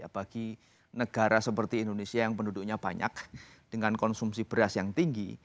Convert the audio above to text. bagi negara seperti indonesia yang penduduknya banyak dengan konsumsi beras yang tinggi